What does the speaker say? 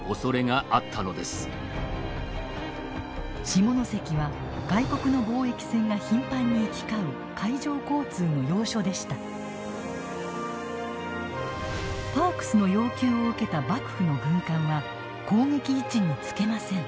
下関は外国の貿易船が頻繁に行き交うパークスの要求を受けた幕府の軍艦は攻撃位置につけません。